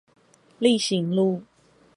力行路